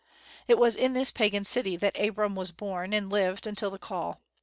It was in this pagan city that Abram was born, and lived until the "call."